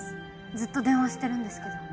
ずっと電話してるんですけど。